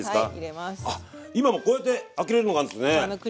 あ今もうこうやって開けれるのがあるんですね。